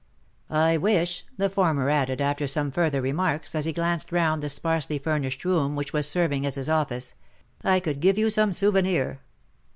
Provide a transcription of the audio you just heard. " I wish," the former added, after some further remarks, as he glanced round the sparsely furnished room which was serving as his office —I could give you some souvenir.